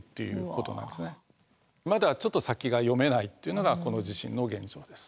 まだちょっと先が読めないっていうのがこの地震の現状です。